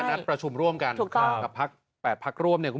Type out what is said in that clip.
นัดประชุมร่วมกันกับ๘พักร่วม